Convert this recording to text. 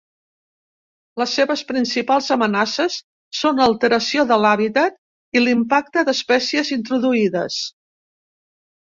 Les seves principals amenaces són l'alteració de l'hàbitat i l'impacte d'espècies introduïdes.